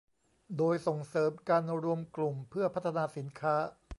โดยส่งเสริมการรวมกลุ่มเพื่อพัฒนาสินค้า